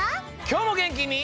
きょうもげんきに。